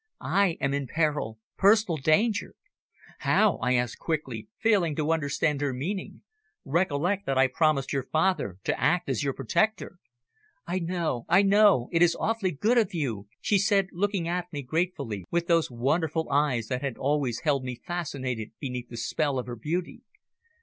I am in peril personal danger." "How?" I asked quickly, failing to understand her meaning. "Recollect that I promised your father to act as your protector." "I know, I know. It is awfully good of you," she said, looking at me gratefully with those wonderful eyes that had always held me fascinated beneath the spell of her beauty.